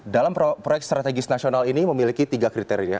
dalam proyek strategis nasional ini memiliki tiga kriteria